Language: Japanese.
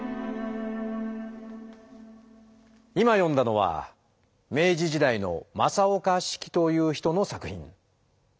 今読んだのは明治時代の正岡子規という人の作品。